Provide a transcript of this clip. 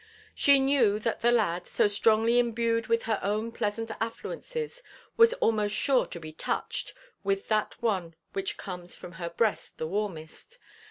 She knew that the lad, so strongly imbued with her own pleasant affluences, was almost sure to be touched with that one which comes from her breast the warmest.